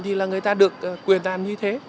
thì người ta được quyền tàn như thế